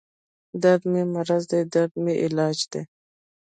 دردمې مرض دی دردمې علاج دی